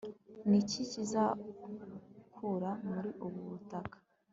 Ni iki kizakura muri ubu butaka